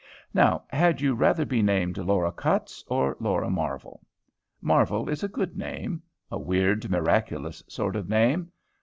Now had you rather be named Laura Cutts or Laura Marvel? Marvel is a good name, a weird, miraculous sort of name.